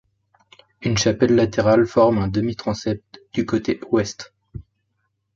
Une chapelle latérale forme un demi-transept du côté ouest.